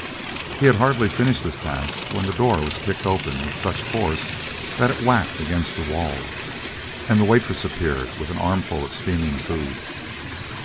He had hardly finished this task when the door was kicked open with such force that it whacked against the wall, and the waitress appeared with an armful of steaming food.